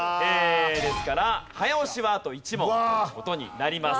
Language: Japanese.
ですから早押しはあと１問という事になります。